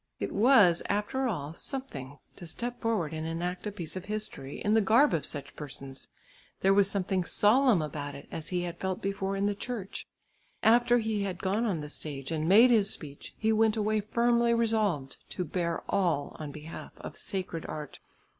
It was after all something to step forward and enact a piece of history in the garb of such persons. There was something solemn about it as he had felt before in the church. After he had gone on the stage and made his speech he went away firmly resolved to bear all on behalf of sacred art.